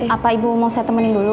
apa ibu mau saya temenin dulu